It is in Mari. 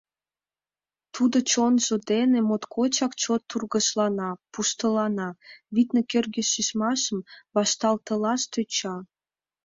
Тудо чонжо дене моткочак чот тургыжлана, пуштылана, витне, кӧргӧ шижмашым вашталтылаш тӧча.